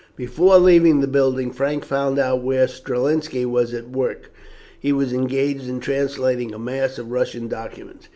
Before leaving the building Frank found out where Strelinski was at work. He was engaged in translating a mass of Russian documents.